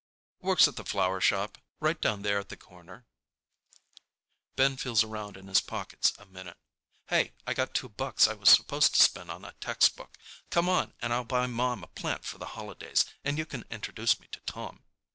"Works at the flower shop, right down there at the corner." Ben feels around in his pockets a minute. "Hey, I got two bucks I was supposed to spend on a textbook. Come on and I'll buy Mom a plant for the holidays, and you can introduce me to Tom."